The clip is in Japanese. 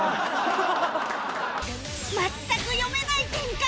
全く読めない展開！